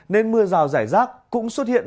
nên mưa rào rải rác cũng xuất hiện